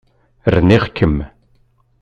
Rniɣ-kem.